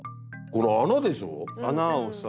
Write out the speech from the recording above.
この穴でしょ。